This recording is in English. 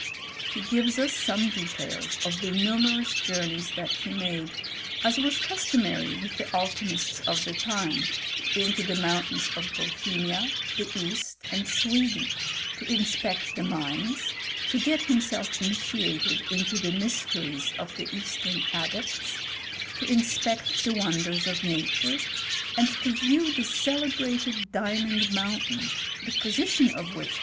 He gives us some details of the numerous journeys that he made, as was customary with the alchymists of the time, into the mountains of Bohemia, the East, and Sweden, to inspect the mines, to get himself inif tiated into the mysteries of the eastern adepts, to inspect the wonders of nature, and to view the cele brated diamond mountain, the position of which, how?